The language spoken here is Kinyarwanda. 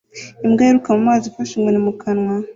Imbwa yiruka mu mazi ifashe inkoni mu kanwa